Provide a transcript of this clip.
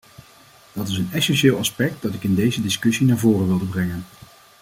Dat is een essentieel aspect dat ik in deze discussie naar voren wilde brengen.